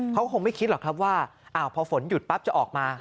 เขาคงไม่คิดหรอกครับว่าพอฝนหยุดปั๊บจะออกมา